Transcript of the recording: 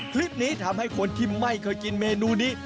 คลิปนี้ทำให้คนที่ไม่เคยกินเมนูนี้